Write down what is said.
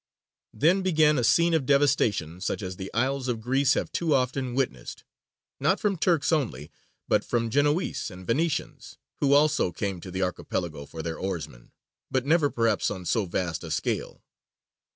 Then began a scene of devastation such as the isles of Greece have too often witnessed, not from Turks only, but from Genoese and Venetians, who also came to the Archipelago for their oarsmen, but never perhaps on so vast a scale.